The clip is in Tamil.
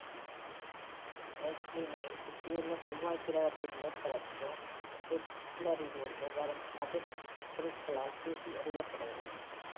மேஸ்ட்லினைச் சுற்றியுள்ள செவ்வாய் கிரகத்தின் மேற்பரப்பு கெப்லரிலிருந்து வரும் கதிர் பொருட்களால் தூசி எறியப்படுகிறது.